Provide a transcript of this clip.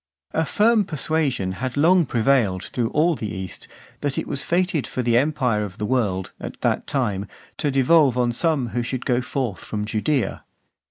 A firm persuasion had long prevailed through all the East , that it was fated for the empire of the world, at that time, to devolve on some who should go forth from Judaea.